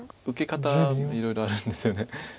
受け方いろいろあるんですよね。